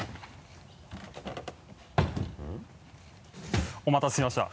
うん？お待たせしました。